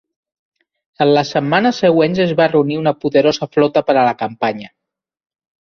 En les setmanes següents es va reunir una poderosa flota per a la campanya.